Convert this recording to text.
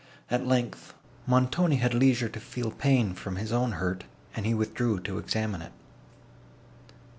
At length, Montoni had leisure to feel pain from his own hurt, and he withdrew to examine it.